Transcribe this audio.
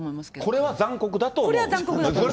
これは残酷だと思います。